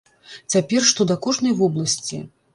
Цяпер што да кожнай вобласці.